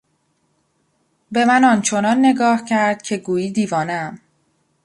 به من آنچنان نگاه کرد که گویی دیوانهام.